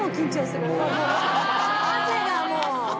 汗がもう。